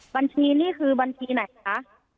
บัญชีนี่คือบัญชีไหนคะ